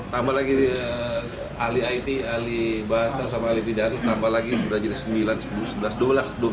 tambah lagi ahli it ahli bahasa sama ahli bidang tambah lagi sudah jadi sembilan dua belas